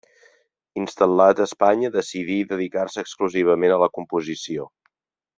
Instal·lat a Espanya, decidí dedicar-se exclusivament a la composició.